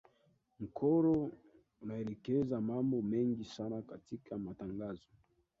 mchoro unaelekeza mambo mengi sana katika matangazo